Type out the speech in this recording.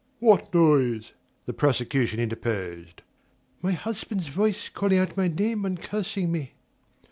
"What noise?" the prosecution interposed. "My husband's voice calling out my name and cursing me."